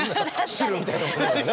汁みたいなものがね。